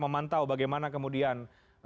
memantau bagaimana kemudian